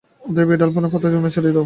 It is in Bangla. অতএব এই ডালপালা ও পাতা গোনা ছাড়িয়া দাও।